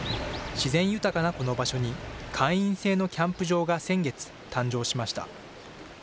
自然豊かなこの場所に、会員制のキャンプ場が先月、誕生しました。